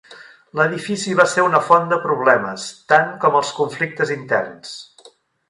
L'edifici va ser una font de problemes, tant com els conflictes interns.